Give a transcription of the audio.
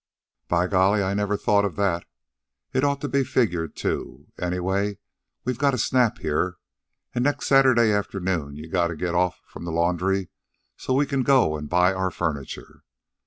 "By golly, I never thought of that. It ought to be figured, too. Anyway, we've got a snap here, and next Saturday afternoon you've gotta get off from the laundry so as we can go an' buy our furniture.